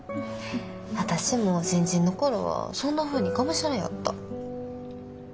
私も新人の頃はそんなふうにがむしゃらやった。